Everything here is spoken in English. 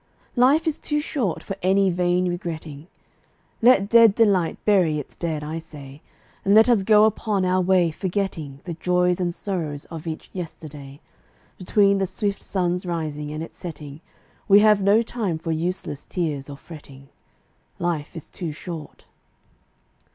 Life is too short for any vain regretting; Let dead delight bury its dead, I say, And let us go upon our way forgetting The joys and sorrows of each yesterday Between the swift sun's rising and its setting We have no time for useless tears or fretting: Life is too short.